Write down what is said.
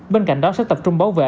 bên cạnh đó sẽ tập trung bảo vệ